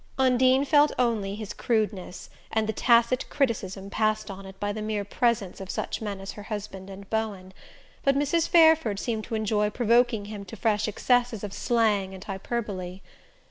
Undine felt only his crudeness, and the tacit criticism passed on it by the mere presence of such men as her husband and Bowen; but Mrs. Fairford' seemed to enjoy provoking him to fresh excesses of slang and hyperbole.